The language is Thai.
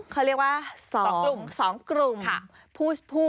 เขาเรียกว่า๒กลุ่มค่ะค่ะ